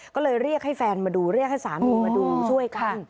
ก็เลยเรียกให้แฟนมาดูเรียกให้สามีมาดูช่วยกัน